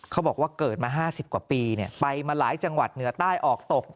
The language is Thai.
เขาบอกว่าเกิดมา๕๐กว่าปีไปมาหลายจังหวัดเหนือใต้ออกตก